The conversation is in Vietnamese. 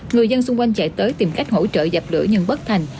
người dân xung quanh chạy tới tìm cách hỗ trợ dập lửa nhưng bất thành